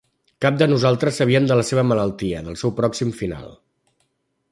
Cap de nosaltres sabíem de la seva malaltia, del seu pròxim final.